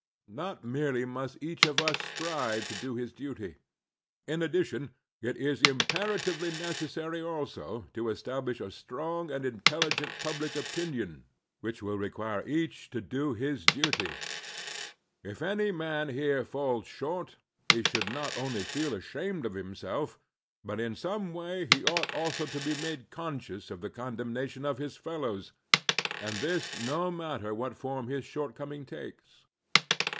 Not merely must each of us strive to do his duty; in addition it is impera tively necessary also to establish a strong and intelligent public opinion which will require each to do his duty. If any man here falls short he should not only feel ashamed of himself, but in some way he ought also to be made conscious of the condemnation of his fellows, and this no matter what form his shortcoming takes.